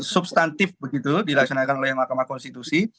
substantif begitu dilaksanakan oleh mahkamah konstitusi